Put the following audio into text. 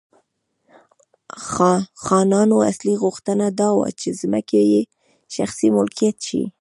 خانانو اصلي غوښتنه دا وه چې ځمکې یې شخصي ملکیت شي.